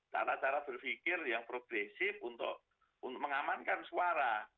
cara cara berpikir yang progresif untuk mengamankan suara